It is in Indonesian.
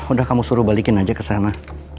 udah kamu suruh balikin aja ke sana